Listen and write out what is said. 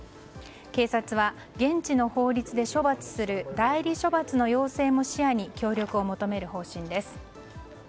警察は現地の法律で処罰する代理処罰の要請も視野に協力を求める方針です。